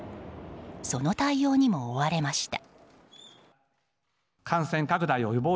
その対応にも追われました。